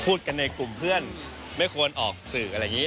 พูดกันในกลุ่มเพื่อนไม่ควรออกสื่ออะไรอย่างนี้